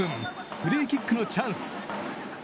フリーキックのチャンス。